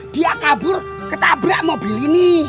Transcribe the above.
dia kabur ketabrak mobil ini